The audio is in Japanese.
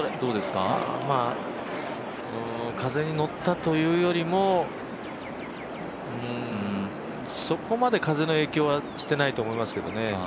うーん風に乗ったというよりもそこまで風は影響してないと思いますけどね。